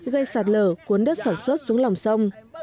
gây sạt lở cuốn đất sản xuất xuống lòng sông